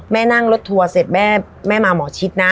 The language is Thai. นั่งรถทัวร์เสร็จแม่มาหมอชิดนะ